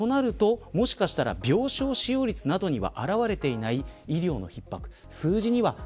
となると、もしかしたら病床使用率などには現れていない医療の逼迫。